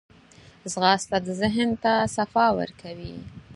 ځغاسته د ذهن ته صفا ورکوي